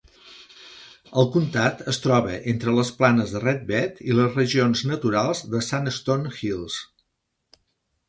El comtat es troba entre les planes de Red Bed i les regions naturals de Sandstone Hills.